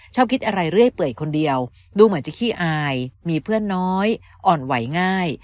ชอบคิดอะไรเรื่อยเปื่อยคนเดียวดูเหมือนจะขี้อายมีเพื่อนน้อยอ่อนไหวง่าย